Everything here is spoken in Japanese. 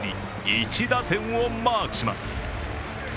１打点をマークします。